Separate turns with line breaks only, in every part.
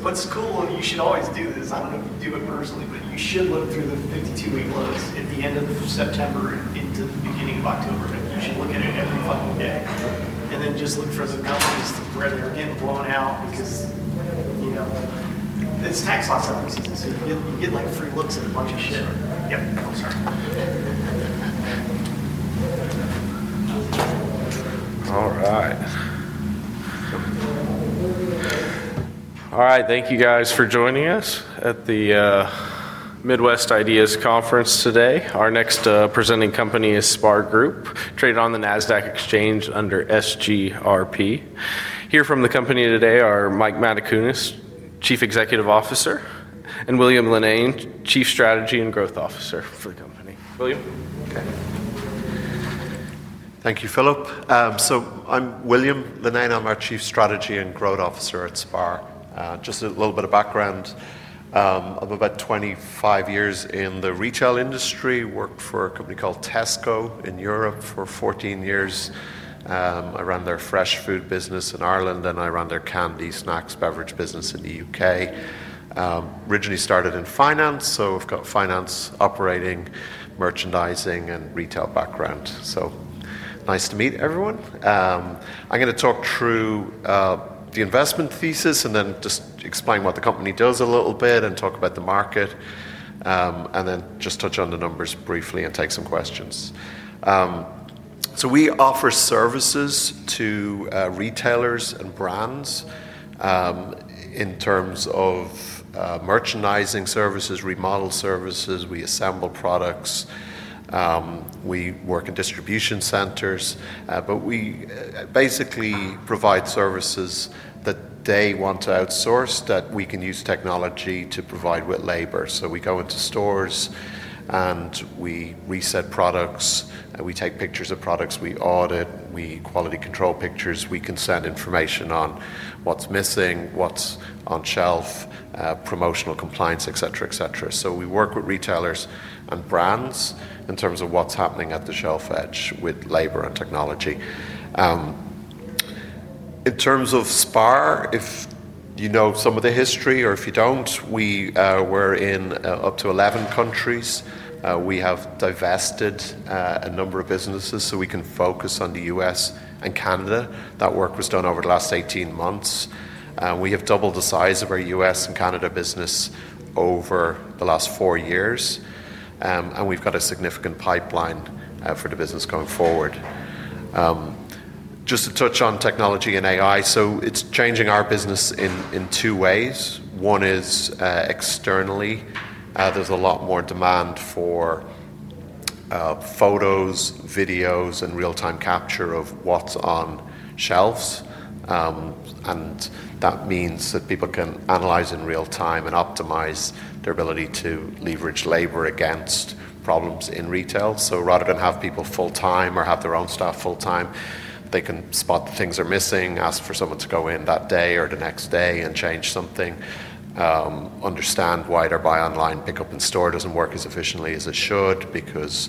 What's cool on it, you should always do this. I don't know if you do it personally, but you should look through the 52-leaflets at the end of September and into the beginning of October. You should look at it every fucking day. Then just look for the companies that are getting blown out because whatever the blue bell is. It's tax law stuff, so you get like free looks at a bunch of shit.
Yeah.
Yeah. All right. Thank you guys for joining us at the Midwest IDEAS Conference today. Our next presenting company is SPAR Group, traded on the NASDAQ exchange under SGRP. Here from the company today are Mike Matacunas, Chief Executive Officer, and William Linnane, Chief Strategy and Growth Officer for the company. William?
Okay. Thank you, Phillip. I'm William Linnane. I'm our Chief Strategy and Growth Officer at SPAR Just a little bit of background. I'm about 25 years in the retail industry. Worked for a company called Tesco in Europe for 14 years. I ran their fresh food business in Ireland and I ran their candy, snacks, beverage business in the U.K. Originally started in finance, so I've got finance, operating, merchandising, and retail background. Nice to meet everyone. I'm going to talk through the investment thesis and then just explain what the company does a little bit and talk about the market. I'll just touch on the numbers briefly and take some questions. We offer services to retailers and brands in terms of merchandising services and remodel services. We assemble products. We work at distribution centers. We basically provide services that they want to outsource that we can use technology to provide with labor. We go into stores and we reset products. We take pictures of products, we audit, we quality control pictures, we can send information on what's missing, what's on shelf, promotional compliance, et cetera. We work with retailers and brands in terms of what's happening at the shelf edge with labor and technology. In terms of SPAR., if you know some of the history or if you don't, we were in up to 11 countries. We have divested a number of businesses so we can focus on the U.S. and Canada. That work was done over the last 18 months. We have doubled the size of our U.S. and Canada business over the last four years. We've got a significant pipeline for the business going forward. Just to touch on technology and AI, it's changing our business in two ways. One is externally. There's a lot more demand for photos, videos, and real-time capture of what's on shelves. That means that people can analyze in real time and optimize their ability to leverage labor against problems in retail. Rather than have people full time or have their own staff full time, they can spot the things they're missing, ask for someone to go in that day or the next day and change something, understand why their buy online, pick up in store doesn't work as efficiently as it should because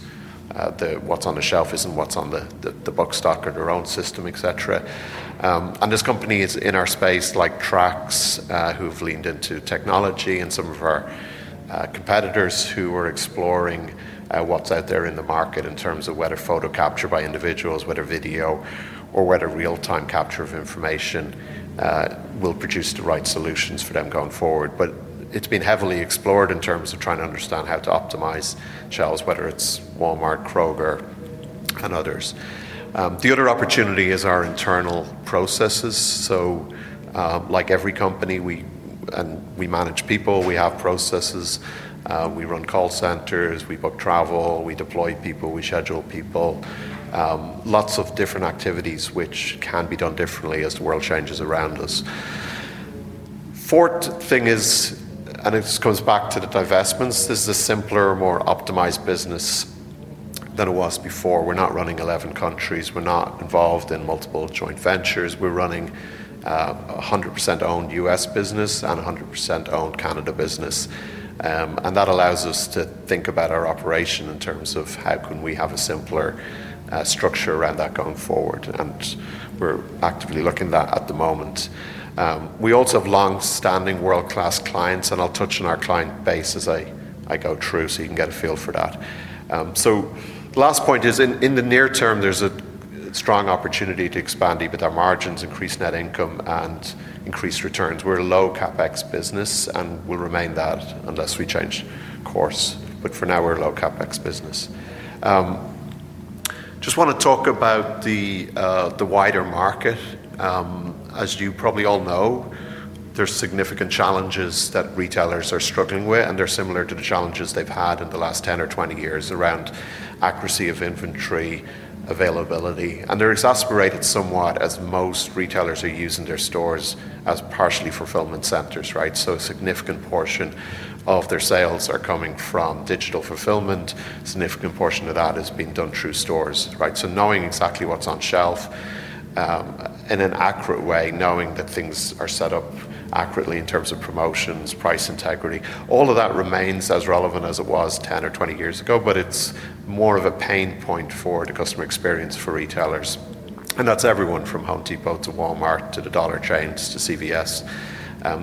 what's on the shelf isn't what's on the bookstock or their own system, etc. This company is in our space like Tracks, who've leaned into technology, and some of our competitors who are exploring what's out there in the market in terms of whether photo capture by individuals, whether video, or whether real-time capture of information will produce the right solutions for them going forward. It's been heavily explored in terms of trying to understand how to optimize shelves, whether it's Walmart, Kroger, and others. The other opportunity is our internal processes. Like every company, we manage people, we have processes, we run call centers, we book travel, we deploy people, we schedule people, lots of different activities which can be done differently as the world changes around us. Fourth thing is, and this goes back to the divestments, this is a simpler, more optimized business than it was before. We're not running 11 countries. We're not involved in multiple joint ventures. We're running a 100% owned U.S. business and a 100% owned Canada business. That allows us to think about our operation in terms of how can we have a simpler structure around that going forward. We're actively looking at that at the moment. We also have longstanding world-class clients, and I'll touch on our client base as I go through so you can get a feel for that. The last point is, in the near term, there's a strong opportunity to expand EBITDA margins, increase net income, and increase returns. We're a low CapEx business and will remain that unless we change course. For now, we're a low CapEx business. I just want to talk about the wider market. As you probably all know, there are significant challenges that retailers are struggling with, and they're similar to the challenges they've had in the last 10 or 20 years around accuracy of inventory, availability. They're exasperated somewhat as most retailers are using their stores as partially fulfillment centers, right? A significant portion of their sales are coming from digital fulfillment. A significant portion of that is being done through stores, right? Knowing exactly what's on shelf in an accurate way, knowing that things are set up accurately in terms of promotions, price integrity, all of that remains as relevant as it was 10 or 20 years ago, but it's more of a pain point for the customer experience for retailers. That's everyone from Home Depot to Walmart to Dollar Tree to CVS.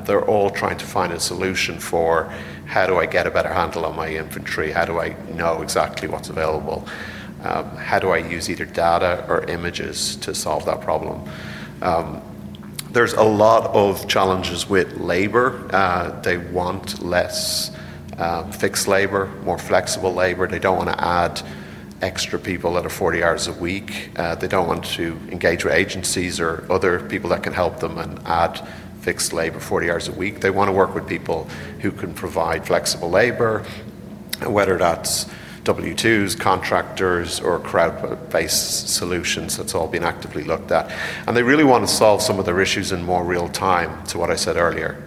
They're all trying to find a solution for how do I get a better handle on my inventory? How do I know exactly what's available? How do I use either data or images to solve that problem? There are a lot of challenges with labor. They want less fixed labor, more flexible labor. They don't want to add extra people that are 40 hours a week. They don't want to engage with agencies or other people that can help them and add fixed labor 40 hours a week. They want to work with people who can provide flexible labor, whether that's W2s, contractors, or crowd-based solutions. That's all being actively looked at. They really want to solve some of their issues in more real time to what I said earlier.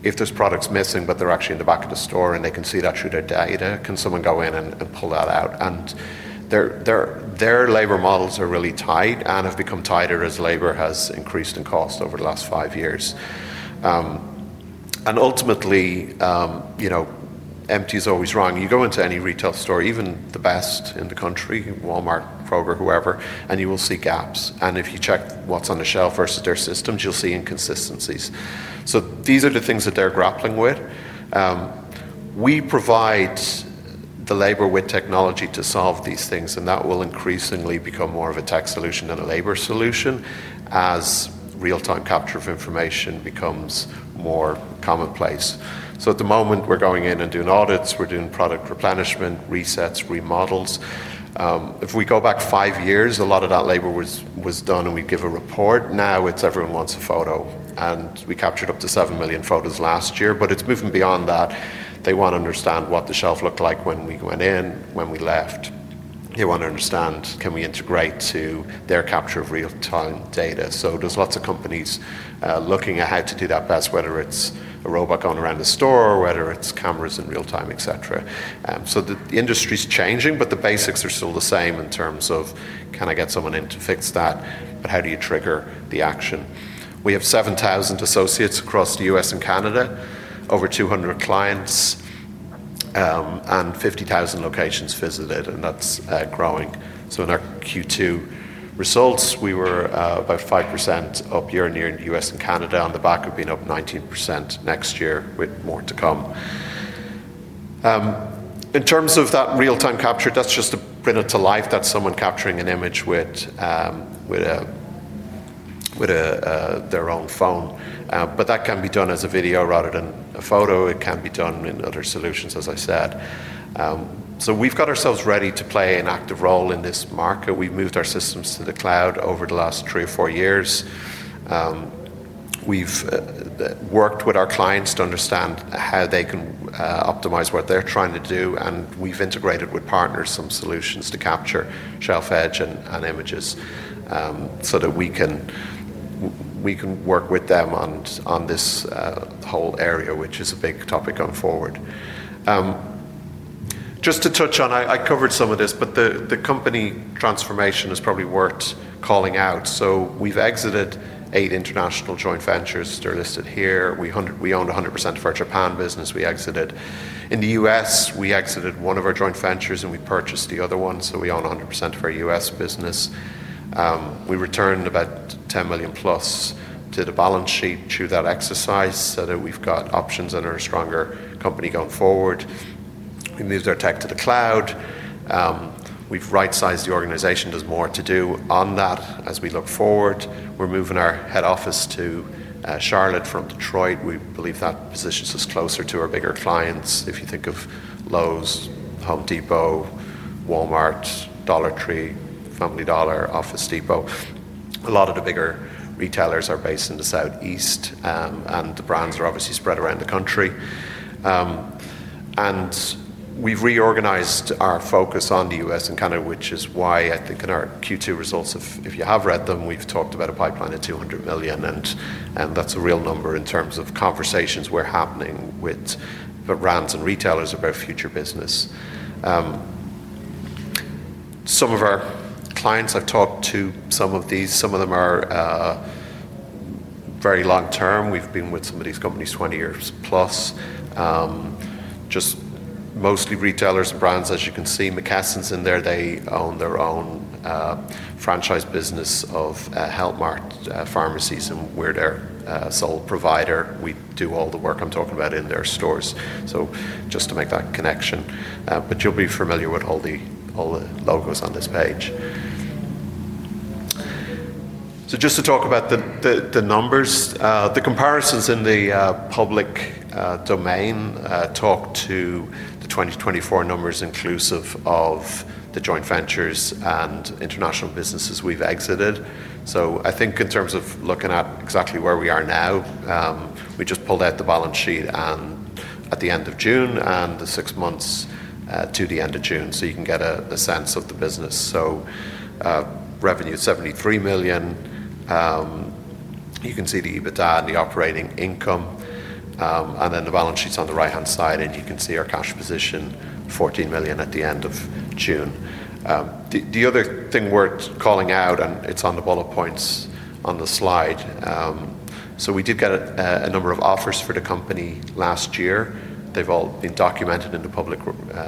If there are products missing, but they're actually in the back of the store and they can see that through their data, can someone go in and pull that out? Their labor models are really tied and have become tighter as labor has increased in cost over the last five years. Ultimately, empty is always wrong. You go into any retail store, even the best in the country, Walmart, Kroger, whoever, and you will see gaps. If you check what's on the shelf versus their systems, you'll see inconsistencies. These are the things that they're grappling with. We provide the labor with technology to solve these things, and that will increasingly become more of a tech solution than a labor solution as real-time capture of information becomes more commonplace. At the moment, we're going in and doing audits, we're doing product replenishment, resets, remodels. If we go back five years, a lot of that labor was done and we'd give a report. Now it's everyone wants a photo, and we captured up to 7 million photos last year, but it's moving beyond that. They want to understand what the shelf looked like when we went in, when we left. They want to understand, can we integrate to their capture of real-time data? There are lots of companies looking at how to do that best, whether it's a robot going around the store, whether it's cameras in real time, etc. The industry's changing, but the basics are still the same in terms of can I get someone in to fix that, but how do you trigger the action? We have 7,000 associates across the U.S. and Canada, over 200 clients, and 50,000 locations visited, and that's growing. In our Q2 results, we were about 5% up year in year in the U.S. and Canada on the back of being up 19% next year with more to come. In terms of that real-time data capture, that's just to bring it to life, that's someone capturing an image with their own phone. That can be done as a video rather than a photo. It can be done in other solutions, as I said. We've got ourselves ready to play an active role in this market. We've moved our systems to the cloud over the last three or four years. We've worked with our clients to understand how they can optimize what they're trying to do, and we've integrated with partners some solutions to capture shelf edge and images so that we can work with them on this whole area, which is a big topic going forward. Just to touch on, I covered some of this, but the company transformation is probably worth calling out. We've exited eight international joint ventures. They're listed here. We owned 100% of our Japan business. We exited. In the U.S., we exited one of our joint ventures and we purchased the other one. We own 100% of our U.S. business. We returned about $10 million+ to the balance sheet through that exercise so that we've got options and are a stronger company going forward. We moved our tech to the cloud. We've right-sized the organization. There's more to do on that as we look forward. We're moving our head office to Charlotte from Detroit. We believe that positions us closer to our bigger clients. If you think of Lowe’s, Home Depot, Walmart, Dollar Tree, Family Dollar, Office Depot, a lot of the bigger retailers are based in the Southeast, and the brands are obviously spread around the country. We've reorganized our focus on the U.S. and Canada, which is why at the Q2 results. If you have read them, we've talked about a pipeline of $200 million, and that's a real number in terms of conversations we're having with brands and retailers about future business. Some of our clients I've talked to, some of these, some of them are very long term. We've been with some of these companies 20+ years. Mostly retailers and brands, as you can see, McKesson's in there. They own their own franchise business of Health Mart Pharmacies, and we're their sole provider. We do all the work I'm talking about in their stores, just to make that connection. You'll be familiar with all the logos on this page. Just to talk about the numbers, the comparisons in the public domain talk to the 2024 numbers inclusive of the joint ventures and international businesses we've exited. I think in terms of looking at exactly where we are now, we just pulled out the balance sheet at the end of June and the six months to the end of June so you can get a sense of the business. Revenue is $73 million. You can see the EBITDA and the operating income. The balance sheet's on the right-hand side, and you can see our cash position, $14 million at the end of June. The other thing worth calling out, and it's on the bullet points on the slide, we did get a number of offers for the company last year. They've all been documented in the public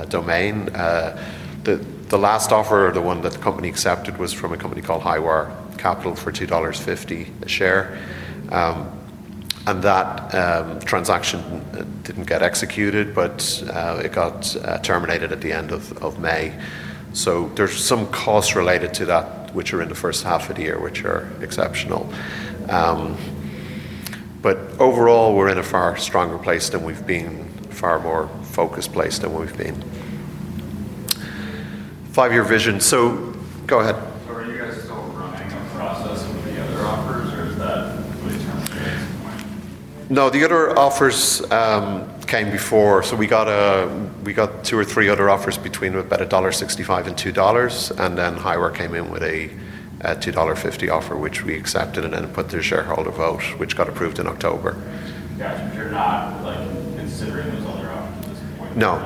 domain. The last offer, the one that the company accepted, was from a company called Highwire Capital for $2.50 a share. That transaction didn't get executed, but it got terminated at the end of May. There are some costs related to that, which are in the first half of the year, which are exceptional. Overall, we're in a far stronger place than we've been, a far more focused place than we've been. Five-year vision. Go ahead.
Where are you guys? Oh, I think you lost us in the offers.
No, the other offers came before. We got two or three other offers between about $1.65 and $2, and then Highwire came in with a $2.50 offer, which we accepted and then put to their shareholder vote, which got approved in October.
I'm sure not, but considering it's all dropped.
No,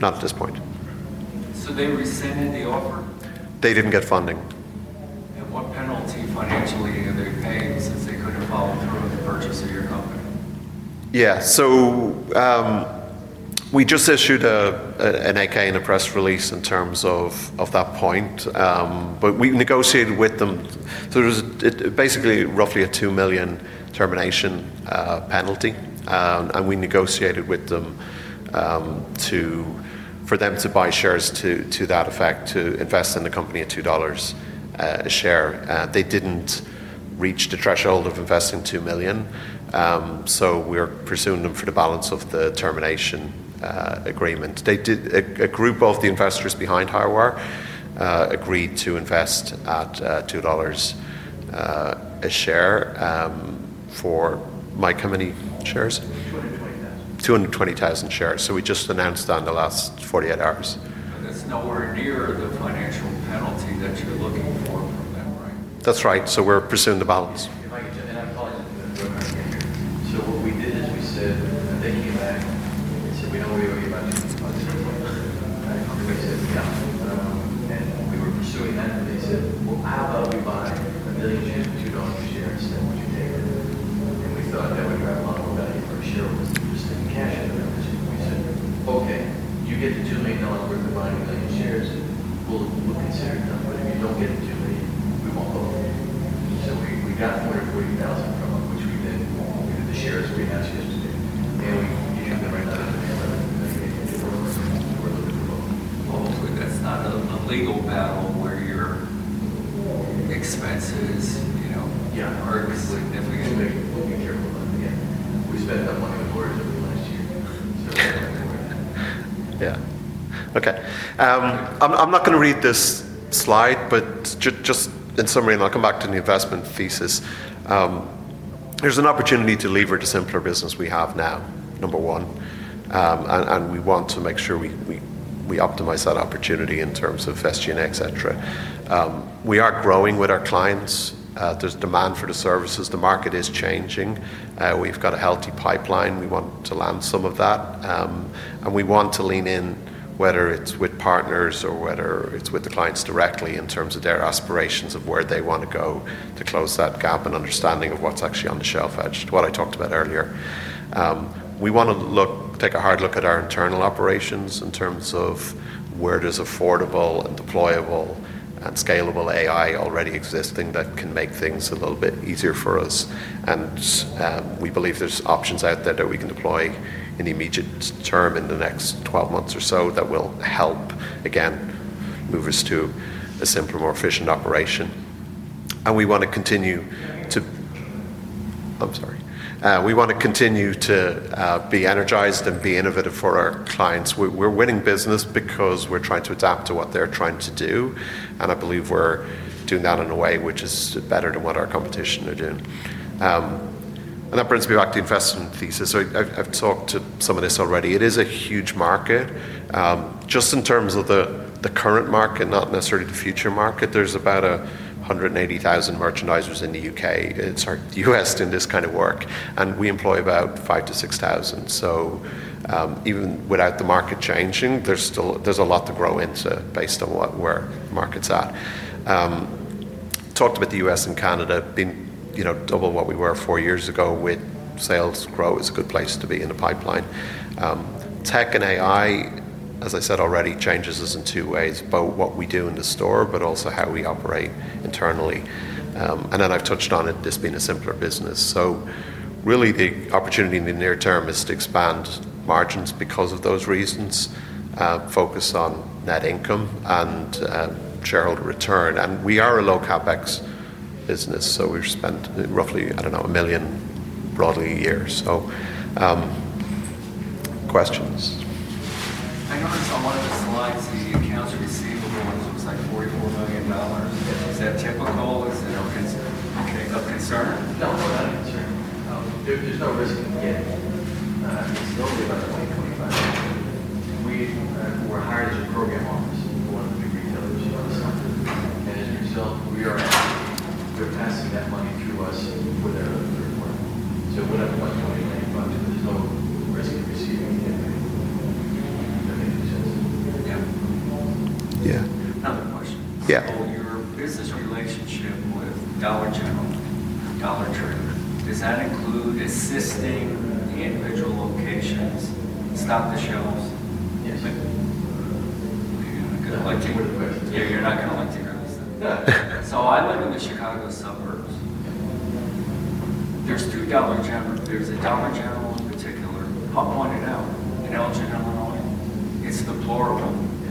not at this point.
Did they rescind the offer?
They didn't get funding.
What penalty funds were you going to get? Are you going to follow through on the purchase of your company?
Yeah, we just issued an 8-K and the press release in terms of that point. We negotiated with them. It was basically roughly a $2 million termination penalty. We negotiated with them for them to buy shares to that effect, to invest in the company at $2 a share. They didn't reach the threshold of investing $2 million. We're pursuing them for the balance of the termination agreement. A group of the investors behind Highwire agreed to invest at $2 a share for my company shares, 220,000 shares. We just announced that in the last 48 hours.
It's nowhere near the financial penalty that you're looking for.
That's right. We're pursuing the balance. we optimize that opportunity in terms of FSG and etc. We are growing with our clients. There's demand for the services. The market is changing. We've got a healthy pipeline. We want to land some of that. We want to lean in, whether it's with partners or whether it's with the clients directly in terms of their aspirations of where they want to go to close that gap and understanding of what's actually on the shelf edge, what I talked about earlier. We want to take a hard look at our internal operations in terms of where there's affordable and deployable and scalable AI already existing that can make things a little bit easier for us. We believe there's options out there that we can deploy in the immediate term in the next 12 months or so that will help, again, move us to a simpler, more efficient operation. We want to continue to be energized and be innovative for our clients. We're winning business because we're trying to adapt to what they're trying to do. I believe we're doing that in a way which is better than what our competition are doing. That brings me back to the investment thesis. I've talked to some of this already. It is a huge market. Just in terms of the current market, not necessarily the future market, there's about 180,000 merchandisers in the U.S. doing this kind of work We employ about 5,000-6,000. Even without the market changing, there's a lot to grow into based on where the market's at. Talked about the U.S. and Canada being, you know, double what we were four years ago with sales growth is a good place to be in a pipeline. Tech and AI, as I said already, changes us in two ways, both what we do in the store, but also how we operate internally. I've touched on it, this being a simpler business. Really, the opportunity in the near term is to expand margins because of those reasons, focus on net income and shareholder return. We are a low CapEx business. We've spent roughly, I don't know, $1 million broadly a year. Questions.
I want to just speak to you now so we can see a little bit on the website before we talk about any of the other owners. I'm saying the 10% always, you know, because I think I'm concerned. Don't go down there.
Sure.
There's no risk.
Yeah.
Tell me about the money you're looking for. Who are you thinking about? Who are you hiring to carry on? People in big retailers who want to stop doing it. I mean, as a result, we already have the pass-through, that money through us with a report. We're not the ones that already have gone through, so we're basically receiving.
Yeah.
Does your business relationship with Dollar Tree include assisting the individual locations stock the shelves?
Yeah.
You're not commenting on this. I live in the Chicago suburbs. There's two Dollar General. There's a Dollar General in particular. I'll point it out. The Dollar General in Illinois. It's the plural.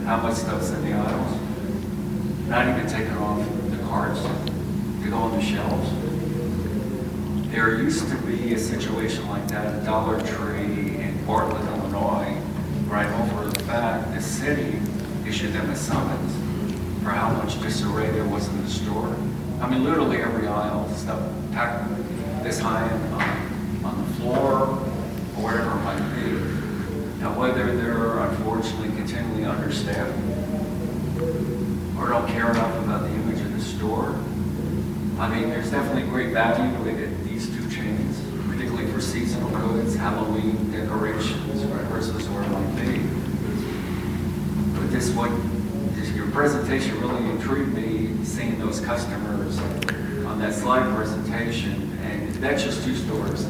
I buy stuff in the aisles, not even taken off from the carts. They're on the shelves. There used to be a situation like that in Dollar Tree in Bartlett, Illinois, right before the fact. The city, they should have a summons for how much disarray there was in the store. I mean, literally every aisle is stuffed this high and up on the floor. I'm not like you. Whether they're unfortunately continually understanding or don't care enough about the image in the store, there's definitely great value in these two chains, particularly for seasonal goods, Halloween decorations, versus a store like me. This one, your presentation really intrigued me, seeing those customers on that slide presentation. That's just two stores.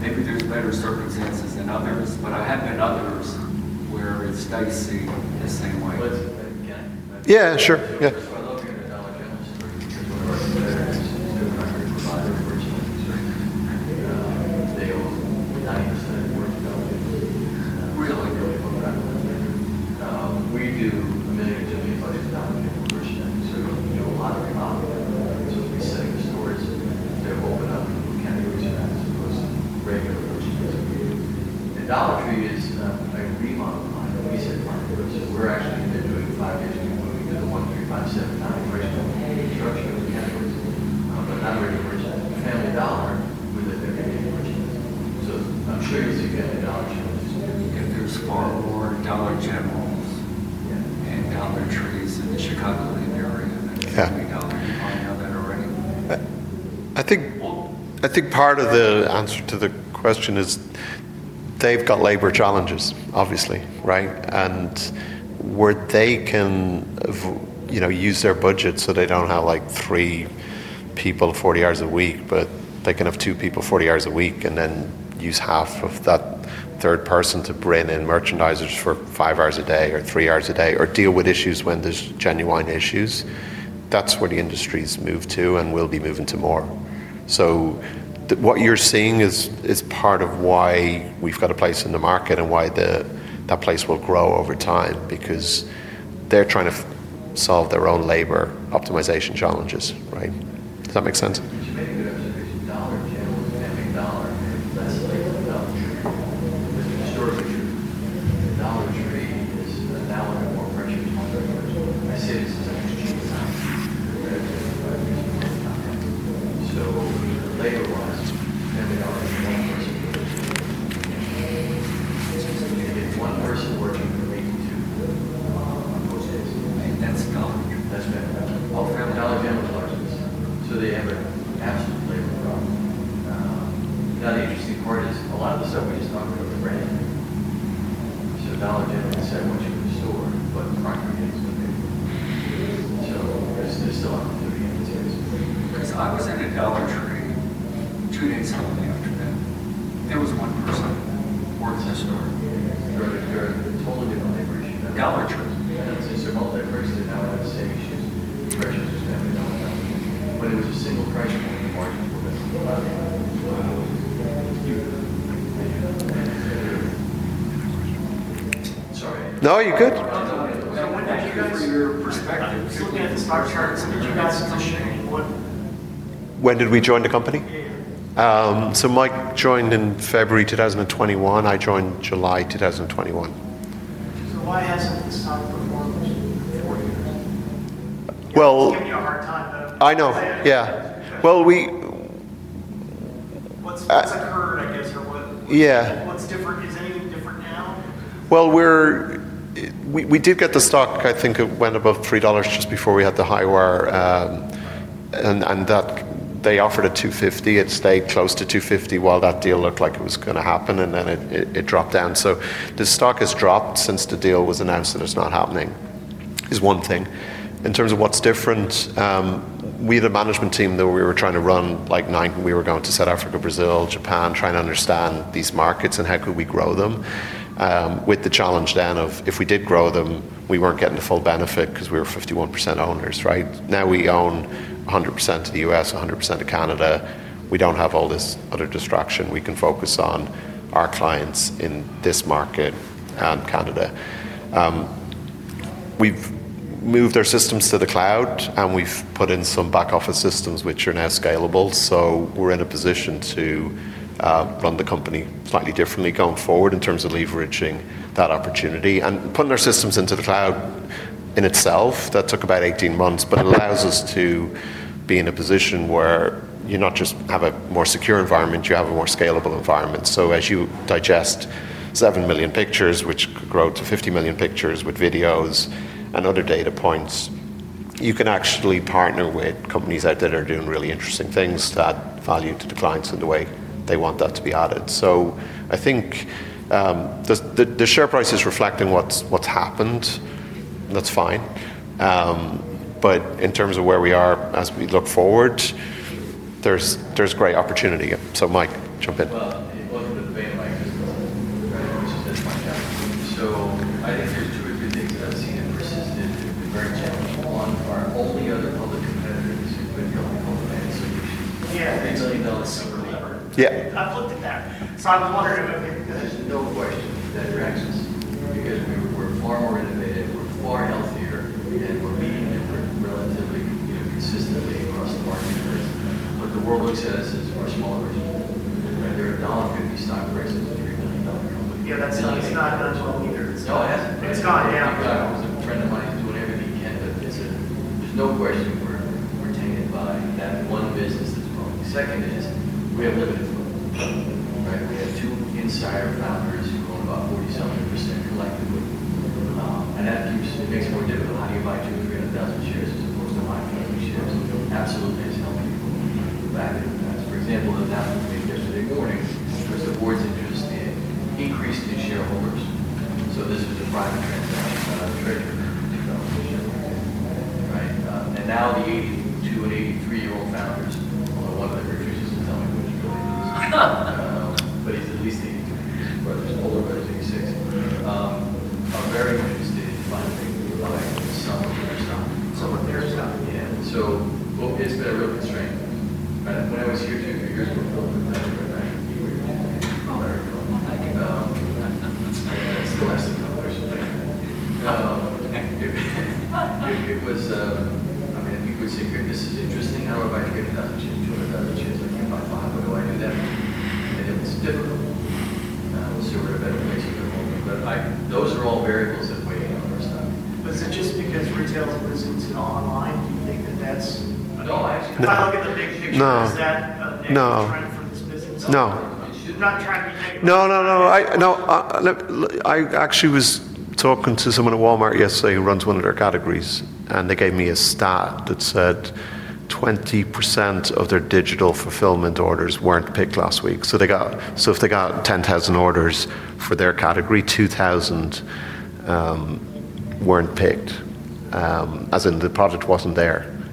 Maybe there's better circumstances than others, but I haven't met others where it stays the same way.
Yes, sure. Yes.
I appreciate it. I mean, it's been almost a day or so more ago. It did really, really come out of the window. We do. We may have to refresh the Dollar Tree membership. They're going to be a lot of just reselling stores. They're rolling up. We had to. That I'm supposed to break the relationship. Dollar Tree is like a beam on the wayside. We're actually going to do it five days a week when we get the $135.79. We have a heavy structure. We have the results. The other is we're saying $100 with a $50 charge. Some truths you get at Dollar Tree. If there's one more Dollar Generals and Dollar Trees in the Chicago, you're $70.
I think part of the answer to the question is they've got labor challenges, obviously, right? Where they can use their budget so they don't have like three people 40 hours a week, but they can have two people 40 hours a week and then use half of that third person to bring in merchandisers for five hours a day or three hours a day or deal with issues when there's genuine issues. That's where the industry's moved to and will be moving to more. What you're seeing is part of why we've got a place in the market and why that place will grow over time because they're trying to solve their own labor optimization challenges, right? Does that make sense?
Why hasn't the stock been gone like four years?
I know. We did get the stock. I think it went above $3 just before we had the Highwire and they offered at $2.50. It stayed close to $2.50 while that deal looked like it was going to happen, and then it dropped down. The stock has dropped since the deal was announced that it's not happening, is one thing. In terms of what's different, we had a management team that we were trying to run like nine. We were going to South Africa, Brazil, Japan, trying to understand these markets and how could we grow them with the challenge then of if we did grow them, we weren't getting the full benefit because we were 51% owners, right? Now we own 100% of the U.S., 100% of Canada. We don't have all this other distraction. We can focus on our clients in this market and Canada. We've moved our systems to the cloud, and we've put in some back office systems which are now scalable. We're in a position to run the company slightly differently going forward in terms of leveraging that opportunity. Putting our systems into the cloud in itself, that took about 18 months, but it allows us to be in a position where you not just have a more secure environment, you have a more scalable environment. As you digest 7 million pictures, which could grow to 50 million pictures with videos and other data points, you can actually partner with companies out there that are doing really interesting things to add value to the clients in the way they want that to be added. I think the share price is reflecting what's happened, and that's fine. In terms of where we are as we look forward, there's great opportunity. Mike, jump in.
It wasn't a debate like this at all. I wanted to just find out. I guess the two big things that I've seen in recess, the big challenge for one are all the other public competitors who put you on the public land. You're usually maintaining those. I've looked at that. It's not a wonder that there's no question that there is because we were far more in the band before healthcare. We didn't want to be here relatively consistently. Most importantly, there's what the world looks at us as much more original than the dollars for your stock versus your... That's not... That's what we do. It's not. I'm glad I was a friend of mine doing everything you can, but it's a... There's no question we're taking advantage of that. One business that's growing. The second is we have limited funds. We have two entire founders who go about 40%-something collectively. That keeps the business... We're giving a lot of you about 200,000 shares as opposed to my managing shares, which are absolutely miscellaneous. For example, on that monthly, yesterday morning, the president boards interested in increasing his shareholders. This is the decline in transactions. I'm not sure. Now the 283-year-old founders,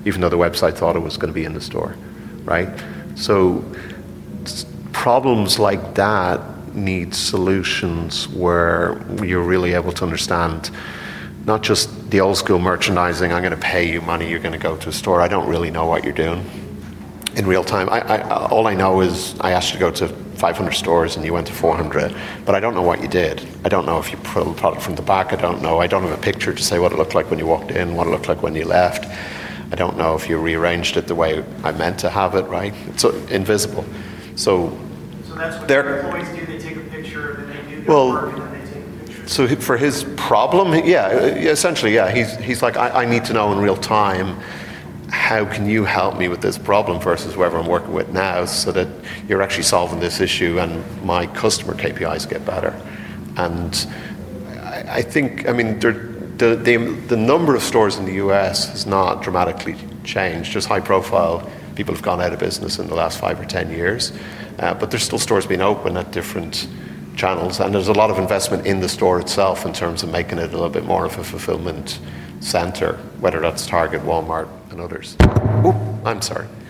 even though the website thought it was going to be in the store, right? Problems like that need solutions where you're really able to understand not just the old school merchandising. I'm going to pay you money. You're going to go to a store. I don't really know what you're doing in real time. All I know is I asked you to go to 500 stores and you went to 400, but I don't know what you did. I don't know if you pulled the product from the back. I don't know. I don't have a picture to say what it looked like when you walked in, what it looked like when you left. I don't know if you rearranged it the way I meant to have it, right? It's invisible. So there...
For his problem, yeah, essentially, yeah, he's like, I need to know in real time how can you help me with this problem versus whoever I'm working with now so that you're actually solving this issue and my customer KPIs get better. I think the number of stores in the U.S. has not dramatically changed. Just high-profile people have gone out of business in the last five or ten years. There's still stores being opened at different channels. There's a lot of investment in the store itself in terms of making it a little bit more of a fulfillment center, whether that's Target, Walmart, and others. Oop, I'm sorry. Mike.